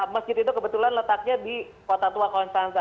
masjid itu kebetulan letaknya di kota tua konstaza